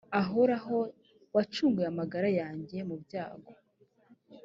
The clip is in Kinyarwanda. ahoraho wacunguye amagara yanjye mu byago